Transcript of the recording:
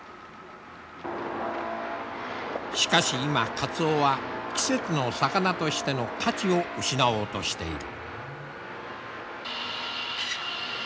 しかし今カツオは季節の魚としての価値を失おうとしている。